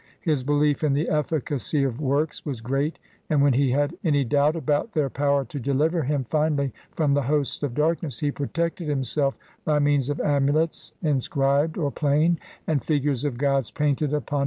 His belief in the efficacy of works was great, and, when he had any doubt about their power to deliver him finally from the hosts of dark ness, he protected himself by means of amulets, in scribed or plain, and figures of gods painted upon CLXXII INTRODUCTION.